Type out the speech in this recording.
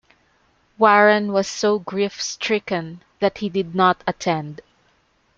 Warren was so grief-stricken that he did not attend.